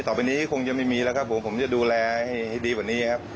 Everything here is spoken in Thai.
ต่อไปนี้คงจะไม่มีแล้วครับผมผมจะดูแลให้ดีกว่านี้ครับ